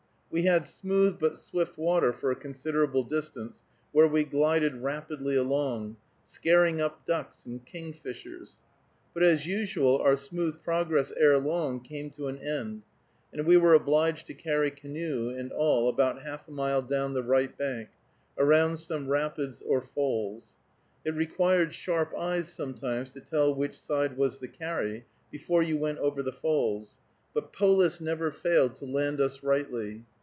We had smooth but swift water for a considerable distance, where we glided rapidly along, scaring up ducks and kingfishers. But, as usual, our smooth progress ere long came to an end, and we were obliged to carry canoe and all about half a mile down the right bank, around some rapids or falls. It required sharp eyes sometimes to tell which side was the carry, before you went over the falls, but Polis never failed to land us rightly.